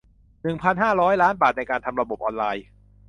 หนึ่งพันห้าร้อย ล้านบาทในการทำระบบออนไลน์